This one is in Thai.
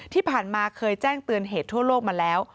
ที่ผ่านมาเคยแจ้งเตือนเหตุทั่วโลกมาแล้ว